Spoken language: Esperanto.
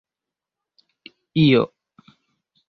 io